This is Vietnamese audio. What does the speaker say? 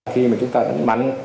khi mà chúng ta đánh mạnh